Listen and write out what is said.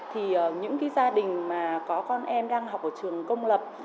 thì những gia đình mà có con em đang học ở trường công lập